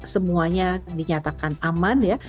semuanya dinyatakan aman ya